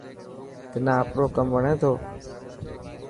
تنا آپرو ڪم وڻي ٿو.